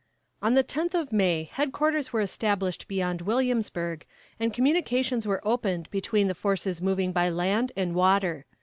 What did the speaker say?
On the tenth of May headquarters were established beyond Williamsburg, and communications were opened between the forces moving by land and water.